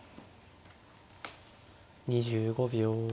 ２５秒。